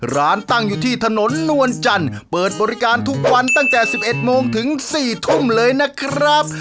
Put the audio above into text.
ร้านตั้งอยู่ที่ถนนนวลจันทร์เปิดบริการทุกวันตั้งแต่๑๑โมงถึง๔ทุ่มเลยนะครับ